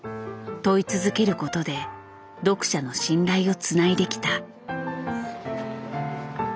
問い続けることで読者の信頼をつないできた。